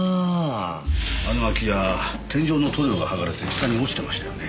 あの空き家天井の塗料がはがれて下に落ちてましたよね？